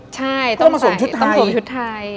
ใช่ต้องสวมชุดไทย